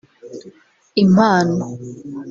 Impano